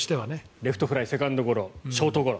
レフトフライセカンドゴロ、ショートゴロ。